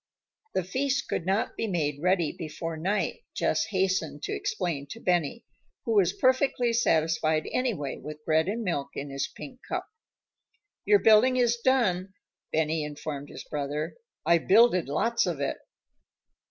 The feast could not be made ready before night, Jess hastened to explain to Benny, who was perfectly satisfied anyway with bread and milk in his pink cup. "Your building is done," Benny informed his brother. "I builded lots of it."